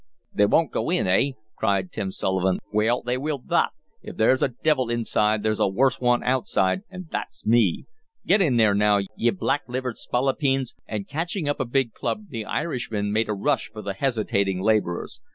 "They won't go in, eh?" cried Tim Sullivan. "Well, they will thot! If there's a divil inside there's a worse one outside, an' thot's me! Git in there now, ye black livered spalapeens!" and catching up a big club the Irishman made a rush for the hesitating laborers.